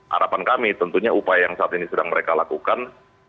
harapan kami tentunya upaya yang saat ini sedang mereka lakukan